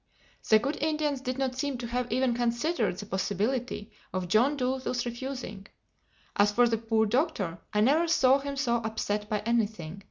The good Indians did not seem to have even considered the possibility of John Dolittle's refusing. As for the poor Doctor, I never saw him so upset by anything.